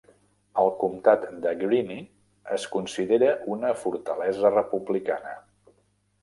El comtat de Greene es considera una fortalesa republicana.